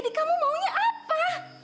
sisi kamu mau beli apa